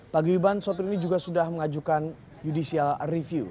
paguyuban sopir ini juga sudah mengajukan judicial review